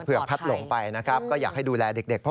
พัดหลงไปนะครับก็อยากให้ดูแลเด็กพอ